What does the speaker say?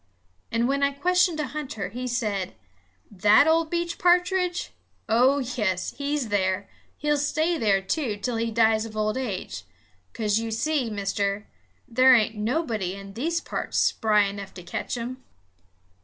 And when I questioned a hunter, he said: "That ol' beech pa'tridge? Oh, yes, he's there. He'll stay there, too, till he dies of old age; 'cause you see, Mister, there ain't nobody in these parts spry enough to ketch 'im."